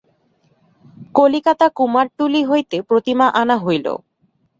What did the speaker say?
কলিকাতা কুমারটুলী হইতে প্রতিমা আনা হইল।